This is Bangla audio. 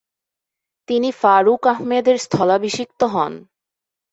তিনি ফারুক আহমেদের স্থলাভিষিক্ত হন।